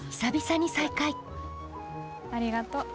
ありがと。